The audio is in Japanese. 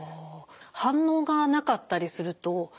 反応がなかったりするとねえ